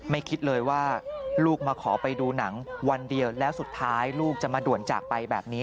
คิดเลยว่าลูกมาขอไปดูหนังวันเดียวแล้วสุดท้ายลูกจะมาด่วนจากไปแบบนี้